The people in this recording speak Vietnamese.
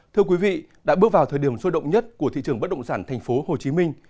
thưa quý vị đã bước vào thời điểm sôi động nhất của thị trường bất động sản thành phố hồ chí minh